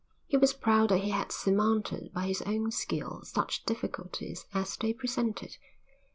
He was proud that he had surmounted by his own skill such difficulties as they presented.